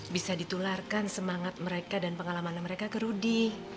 bisa ditularkan semangat mereka dan pengalaman mereka ke rudy